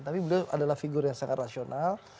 tapi beliau adalah figur yang sangat rasional